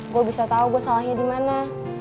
gue bisa tau gue salahnya dimana